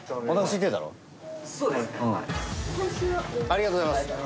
ありがとうございます。